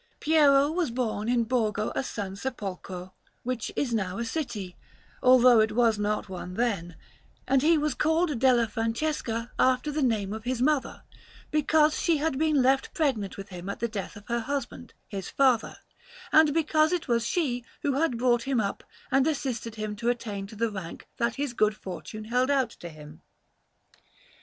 Piero was born in Borgo a San Sepolcro, which is now a city, although it was not one then; and he was called Della Francesca after the name of his mother, because she had been left pregnant with him at the death of her husband, his father, and because it was she who had brought him up and assisted him to attain to the rank that his good fortune held out to him.